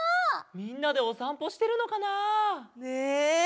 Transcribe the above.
みんなでおさんぽしてるのかな？ね！